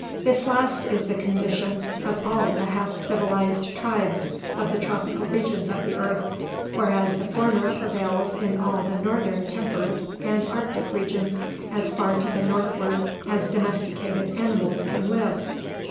This last is the condition of all the half civilized tribes of the tropical regions of the earth, whereas the former prevails in all the northern temperate and arctic regions, as far to the northward as domesticated animals can live.